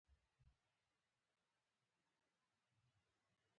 ایا زه باید په کور کې ورزش وکړم؟